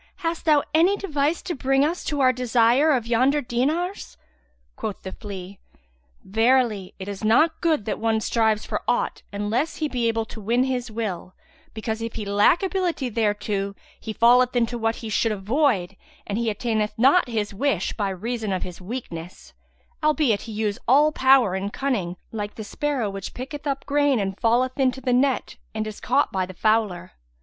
Hast thou any device to bring us to our desire of yonder dinars? Quoth the flea, "Verily, it is not good that one strives for aught, unless he be able to win his will; because, if he lack ability thereto, he falleth into that which he should avoid and he attaineth not his wish by reason of his weakness, albeit he use all power of cunning, like the sparrow which picketh up grain and falleth into the net and is caught by the fowler.